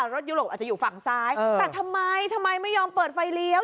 ยุโรปอาจจะอยู่ฝั่งซ้ายแต่ทำไมทำไมไม่ยอมเปิดไฟเลี้ยว